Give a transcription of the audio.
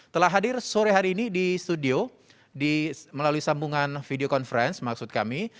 telah hadir sore hari ini di studio melalui sambungan video conference maksud kami